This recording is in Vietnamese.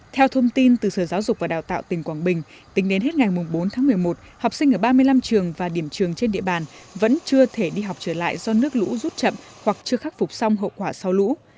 theo thông tin từ sở giáo dục và đào tạo tỉnh quảng bình tính đến hết ngày bốn tháng một mươi một học sinh ở ba mươi năm trường và điểm trường trên địa bàn vẫn chưa thể đi học trở lại do nước lũ rút chậm hoặc chưa khắc phục xong hậu quả sau lũ